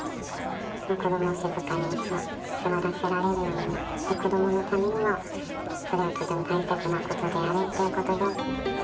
子どもを静かに座らせられるようにって、子どものためにも、それがとても大切なことであるっていうことで。